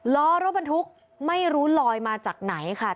ล้อรถบรรทุกไม่รู้ลอยมาจากไหนค่ะ